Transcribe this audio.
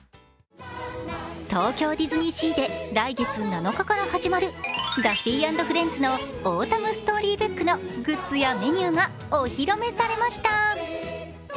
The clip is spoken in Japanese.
東京ディズニーシーで来月７日から始まるダッフィー＆フレンズのオータムストーリーブックのグッズやメニューがお披露目されました。